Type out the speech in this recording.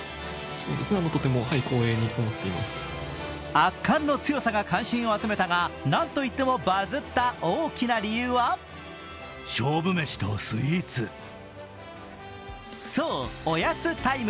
圧巻の強さが関心を集めたが、何といってもバズった理由はそう、おやつタイム。